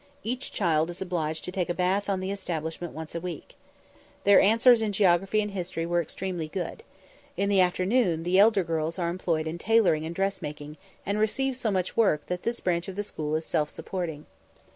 Each child is obliged to take a bath on the establishment once a week. Their answers in geography and history were extremely good. In the afternoon the elder girls are employed in tailoring and dressmaking, and receive so much work that this branch of the school is self supporting.